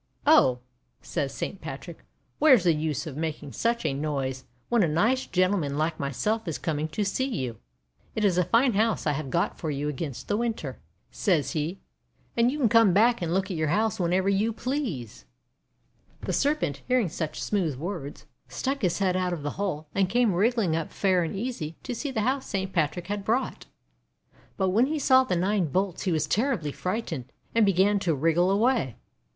"Oh!" says Saint Patrick, " where 's the use of making such a noise when a nice gentleman like myself is coming to see you? It is a fine house I have got for you against the Winter," 194 THE WONDER GARDEN says he, :'and you can come and look at your house whenever you please." The Serpent, hearing such smooth words, stuck his head out of the hole, and came wriggling up fair and easy to see the house Saint Patrick had brought. But when he saw the nine bolts he was terribly frightened, and began to wriggle away.